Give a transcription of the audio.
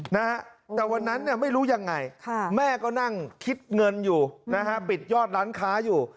แต่วันนั้นไม่รู้ยังไงแม่ก็นั่งคิดเงินอยู่ปิดยอดร้านค้าอยู่